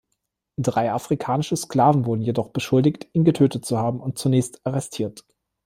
Drei afrikanische Sklaven wurden jedoch beschuldigt, ihn getötet zu haben und zunächst arrestiert.